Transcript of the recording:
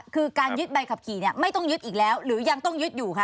คือการยึดใบขับขี่เนี่ยไม่ต้องยึดอีกแล้วหรือยังต้องยึดอยู่คะ